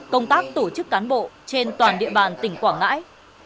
công tác tổ chức cán bộ trên toàn địa bàn tỉnh quảng ngãi